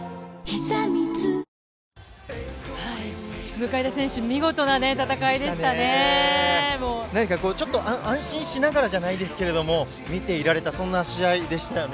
向田選手、何かこう、ちょっと安心しながらじゃないですけども、見ていられた、そんな試合でしたね。